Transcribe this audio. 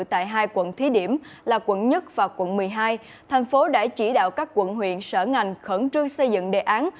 tại hai quận thí điểm là quận một và quận một mươi hai thành phố đã chỉ đạo các quận huyện sở ngành khẩn trương xây dựng đề án